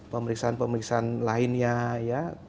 pemeriksaan pemeriksaan lainnya ya